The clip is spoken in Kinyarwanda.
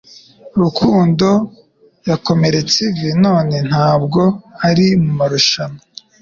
Rukundo yakomeretse ivi none ntabwo ari mumarushanwa